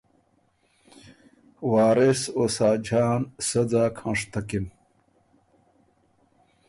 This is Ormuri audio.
وارث او ساجان سۀ ځاک هںشتکِن